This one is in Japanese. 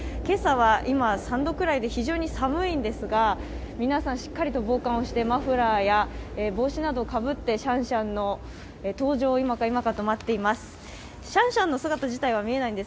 今朝は今、３度くらいで非常に寒いんですが、皆さんしっかりと防寒をしてマフラーや帽子などをかぶってシャンシャンの登場を今か今かと待っています。